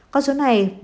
con số này